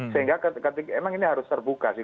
sehingga emang ini harus terbuka sih